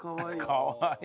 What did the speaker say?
かわいい。